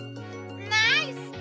ナイス！